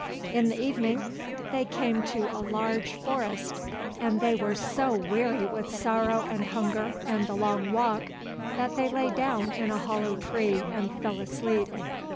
In the evening they came to a large forest, and they were so weary with sorrow and hunger and the long walk, that they lay down in a hollow tree and fell asleep.